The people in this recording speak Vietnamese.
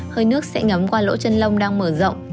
hơi nước sẽ ngấm qua lỗ chân lông đang mở rộng